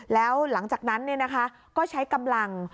แล้วหลังจากนั้นก็ใช้กำลัง